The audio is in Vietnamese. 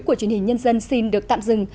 của chuyên hình nhân dân xin được tạm dừng